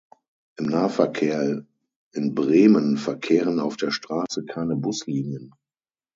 Im Nahverkehr in Bremen verkehren auf der Straße keine Buslinien.